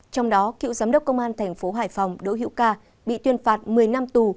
trong đó cựu giám đốc công an thành phố hải phòng đỗ hữu ca bị tuyên phạt một mươi năm tù